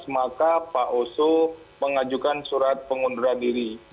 maka pak oso mengajukan surat pengunduran diri